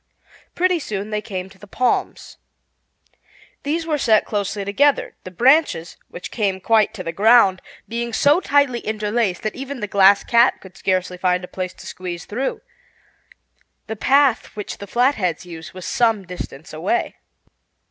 Pretty soon they came to the palms. These were set closely together, the branches, which came quite to the ground, being so tightly interlaced that even the Glass Cat could scarcely find a place to squeeze through. The path which the Flatheads used was some distance away.